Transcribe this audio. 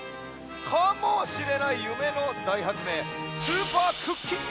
かもしれないゆめのだいはつめいスーパークッキングマシーンじゃ！